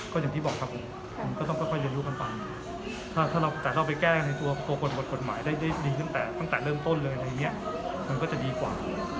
ก็อย่างที่บอกครับมันก็ต้องค่อยอยู่กันตามแต่ถ้าเราไปแก้ในตัวกฎหมายได้ดีขึ้นแต่ตั้งแต่เริ่มต้นเลยในเนี่ยมันก็จะดีกว่า